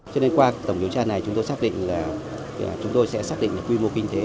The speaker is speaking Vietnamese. cho nên qua tổng điều tra này chúng tôi sẽ xác định quy mô kinh tế